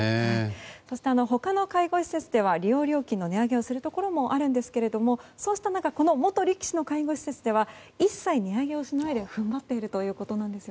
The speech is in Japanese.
そしてほかの介護施設では利用料金の値上げもありますがそうした中この元力士の介護施設では一切値上げをしないで踏ん張っているということです。